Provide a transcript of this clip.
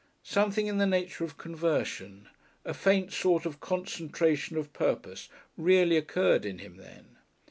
Something in the nature of conversion, a faint sort of concentration of purpose, really occurred in him then.